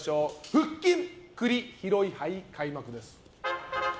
腹筋栗拾い杯、開幕です。